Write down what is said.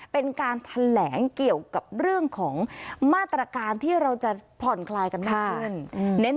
เป็นการแถลงเกี่ยวกับเรื่องของมาตรการที่เราจะผ่อนคลายกันมากขึ้น